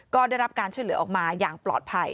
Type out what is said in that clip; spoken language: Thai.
ก็ได้รับการช่วยเหลือออกมาอย่างปลอดภัย